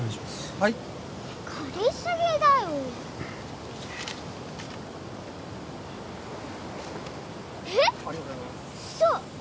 はい借りすぎだよえっ嘘！？